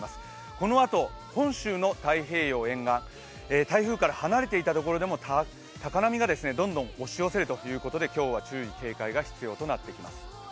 このあと本州の太平洋沿岸、台風から離れていたところでも高波がどんどん押し寄せるということで今日は注意、警戒が必要になります